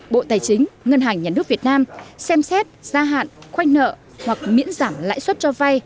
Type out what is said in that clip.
bộ tài chính ngân hàng nhà nước việt nam xem xét gia hạn khoanh nợ hoặc miễn giảm lãi suất cho vay